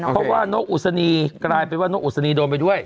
เพราะว่านกอุศนีกลายเป็นว่านกอุศนีโดนไปด้วย